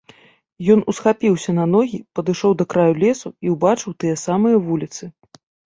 Ён усхапіўся на ногі, падышоў да краю лесу і ўбачыў тыя самыя вуліцы.